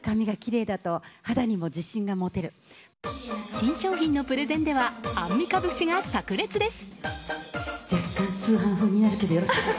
新商品のプレゼンではアンミカ節が炸裂です。